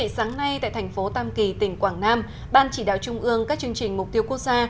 sáng nay tại thành phố tam kỳ tỉnh quảng nam ban chỉ đạo trung ương các chương trình mục tiêu quốc gia